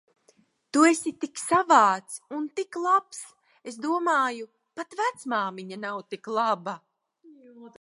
Tu esi tik savāds un tik labs. Es domāju, pat vecmāmiņa nav tik laba.